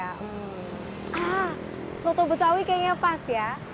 nah soto betawi kayaknya pas ya